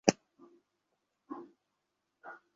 এটা তোমার পিস্তল?